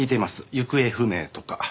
行方不明とか。